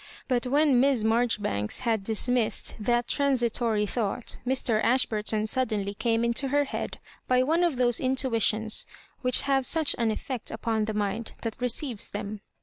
But when Miss Marjoribanks had dismissed that transitory thought, Mr. Ashburton suddenly came into her head by one of those intuitions which have such an effect upon the mind that receives them.